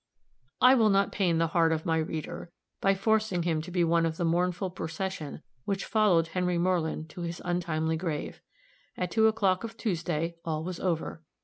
I will not pain the heart of my reader by forcing him to be one of the mournful procession which followed Henry Moreland to his untimely grave. At two o'clock of Tuesday, all was over.